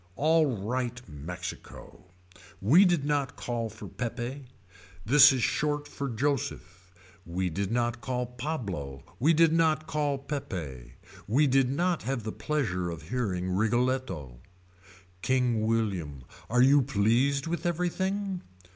Alright Mexico. We did not call for Peppe. This is short for Joseph. We did not call Pablo. We did not call Peppe. We did not have the pleasure of hearing Rigoletto. William King. Are you pleased with everything.